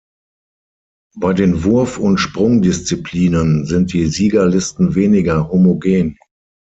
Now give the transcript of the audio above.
Bei den Wurf- und Sprungdisziplinen sind die Siegerlisten weniger homogen.